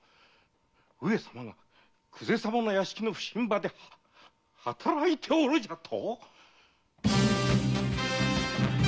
上様が久世様の屋敷の普請場で働いておるじゃと！？